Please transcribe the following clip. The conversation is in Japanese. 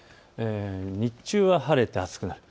日中は晴れて暑くなる。